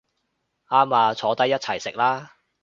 啱吖，坐低一齊食啦